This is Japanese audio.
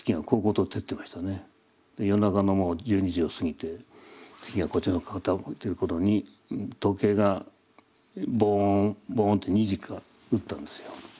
夜中のもう１２時を過ぎて月がこっちの方傾いてる頃に時計がボーンボーンと２時か打ったんですよ。